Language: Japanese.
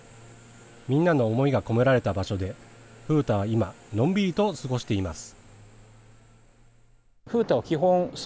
みんなの思いが込められた場所で風太は今のんびりと過ごしています。